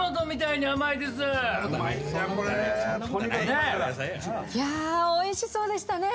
いやおいしそうでしたね。